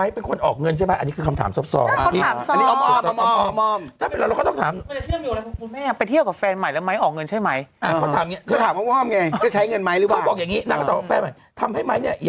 เพราะซาร่าแต่มีแฟนใหม่หรือเปล่าทำให้ไม้เนี่ย